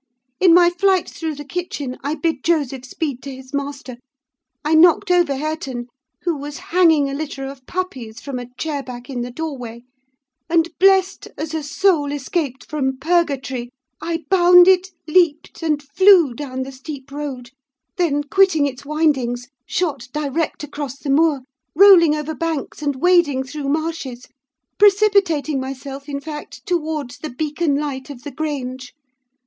In my flight through the kitchen I bid Joseph speed to his master; I knocked over Hareton, who was hanging a litter of puppies from a chair back in the doorway; and, blessed as a soul escaped from purgatory, I bounded, leaped, and flew down the steep road; then, quitting its windings, shot direct across the moor, rolling over banks, and wading through marshes: precipitating myself, in fact, towards the beacon light of the Grange.